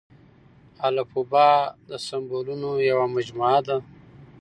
الفبې د سمبولونو يوه مجموعه ده.